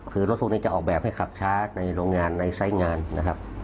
คือรถพวกนี้จะออกแบบให้ขับช้าในโรงงานในไซส์งานนะครับ